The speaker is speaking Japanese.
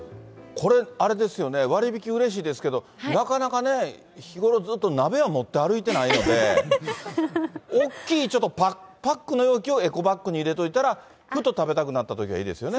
これ、あれですよね、割引うれしいですけど、なかなかね、日頃、ずっと鍋は持って歩いてないので、大きいパックの容器をエコバッグに入れといたら、ふと食べたくなったときはいいですよね。